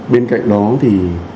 bên cạnh đó thì